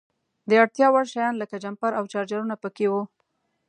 د اړتیا وړ شیان لکه جمپر او چارجرونه په کې وو.